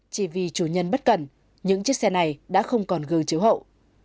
chỉ vì chủ nhân bất cẩn những chiếc xe này đã không còn gương chiếu hậu